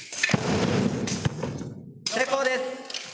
成功です。